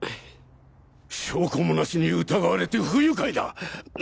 証拠もなしに疑われて不愉快だ。